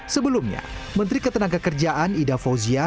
sebelumnya menteri ketenagakerjaan ida fauzia